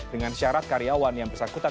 dengan syarat karyawan yang bersangkutan